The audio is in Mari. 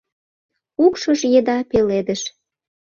Укшыж еда пеледыш.